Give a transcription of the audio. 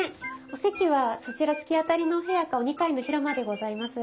お席はそちら突き当たりのお部屋かお二階の広間でございます。